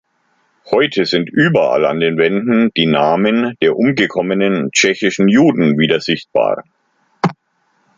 Heute sind überall an den Wänden die Namen der umgekommenen tschechischen Juden wieder sichtbar.